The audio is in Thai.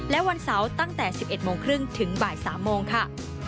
และวันเสาร์ตั้งแต่๑๑โมงครึ่งถึงบ่าย๓โมงค่ะ